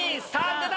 出た！